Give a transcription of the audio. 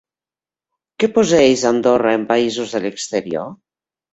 Què posseeix Andorra en països de l'exterior?